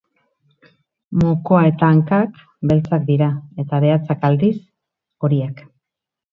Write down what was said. Mokoa eta hankak beltzak dira eta behatzak aldiz horiak.